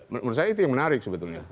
menurut saya itu yang menarik sebetulnya